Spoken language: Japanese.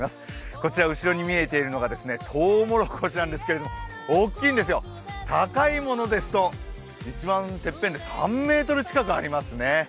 こちら、後ろに見えているのがとうもろこしなんですけれども大きいんですよ、高いものですと一番てっぺんで３ｍ近くありますね。